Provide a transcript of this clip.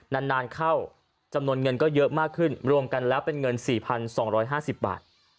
นานเข้าจำนวนเงินก็เยอะมากขึ้นรวมกันแล้วเป็นเงิน๔๒๕๐บาท